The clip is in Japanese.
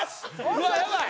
うわっやばい！